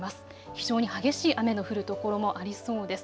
非常に激しい雨の降る所もありそうです。